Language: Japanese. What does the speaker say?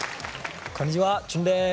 こんにちはＪＵＮです。